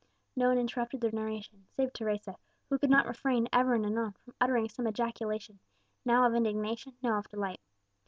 No one interrupted the narration, save Teresa, who could not refrain ever and anon from uttering some ejaculation, now of indignation, now of delight.